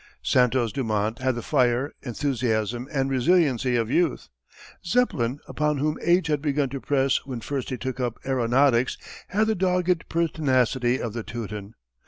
Santos Dumont had the fire, enthusiasm, and resiliency of youth; Zeppelin, upon whom age had begun to press when first he took up aeronautics, had the dogged pertinacity of the Teuton.